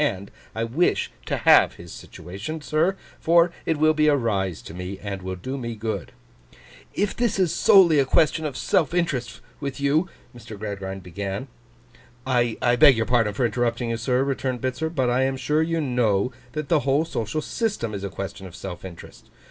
And I wish to have his situation, sir, for it will be a rise to me, and will do me good.' 'If this is solely a question of self interest with you—' Mr. Gradgrind began. 'I beg your pardon for interrupting you, sir,' returned Bitzer; 'but I am sure you know that the whole social system is a question of self interest.